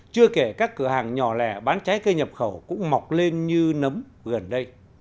chưa kể các cửa hàng nhỏ lẻ bán trái cây nhập khẩu cũng mọc lên như nấm gần đây